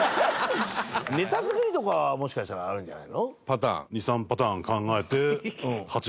ネタ作りとかはもしかしたらあるんじゃないの？